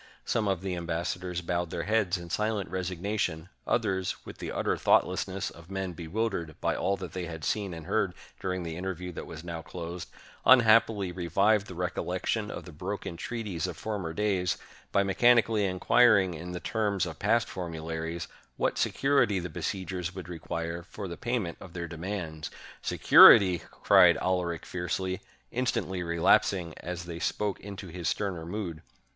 Some of the ambassadors bowed their heads in silent resignation ; others, with the utter thoughtlessness of men bewildered by all that they had seen and heard during the interview that was now closed, unhappily revived the recollection of the broken treaties of former days, by mechanically inquiring, in the terms of past formularies, what security the besieg ers would require for the pajrment of their demands. "Security!" cried Alaric fiercely, instantly relapsing as they spoke into his sterner mood.